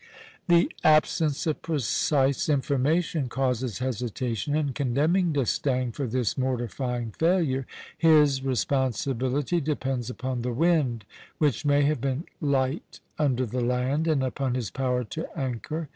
The absence of precise information causes hesitation in condemning D'Estaing for this mortifying failure. His responsibility depends upon the wind, which may have been light under the land, and upon his power to anchor.